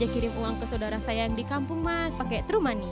kirim uang ke saudara saya yang di kampung mas pakai true money